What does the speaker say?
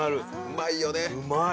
うまいよね。